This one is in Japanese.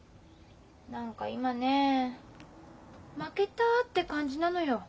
何か今ね負けたって感じなのよ